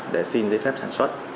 để xin giấy phép sản xuất